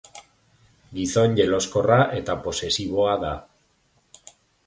Gizon jeloskorra eta posesiboa da.